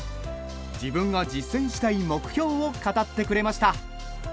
自分が実践したい目標を語ってくれました。